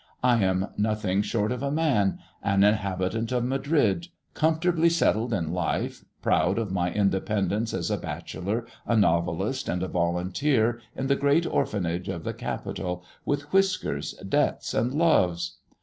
I am nothing short of a man, an inhabitant of Madrid, comfortably settled in life, proud of my independence as a bachelor, a novelist, and a volunteer in the great orphanage of the capital, with whiskers, debts, and loves.